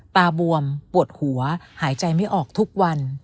บวมปวดหัวหายใจไม่ออกทุกวัน